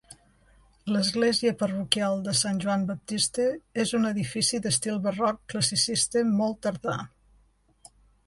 L'església parroquial de Sant Joan Baptista és un edifici d'estil barroc classicista molt tardà.